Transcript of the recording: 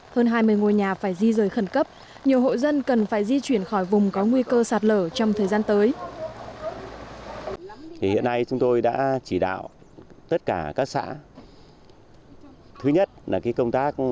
hơn hai mươi ngôi nhà phải di rời khẩn cấp nhiều hộ dân cần phải di chuyển khỏi vùng có nguy cơ sạt lở trong thời gian tới